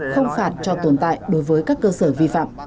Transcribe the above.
không phạt cho tồn tại đối với các cơ sở vi phạm